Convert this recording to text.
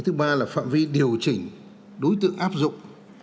thứ ba là phạm vi điều chỉnh đối tượng áp dụng